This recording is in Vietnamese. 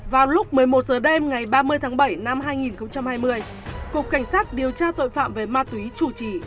vào lúc một mươi một h đêm ngày ba mươi tháng bảy năm hai nghìn hai mươi cục cảnh sát điều tra tội phạm về ma túy chủ trì